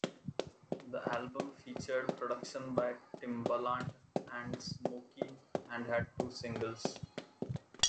The album featured production by Timbaland and Smokey and had two singles.